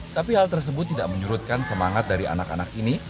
tapi hal tersebut tidak menyurutkan semangat dari anak anak ini